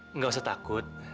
enggak usah takut